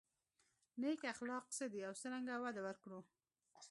نېک اخلاق څه دي او څرنګه وده ورکړو.